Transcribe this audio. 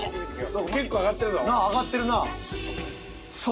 結構上がってるぞ。